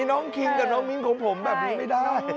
น้องคิงกับน้องมิ้นของผมแบบนี้ไม่ได้